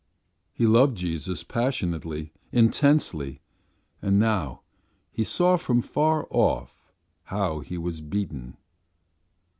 He loved Jesus passionately, intensely, and now he saw from far off how He was beaten..."